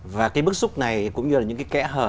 và cái bức xúc này cũng như là những cái kẽ hở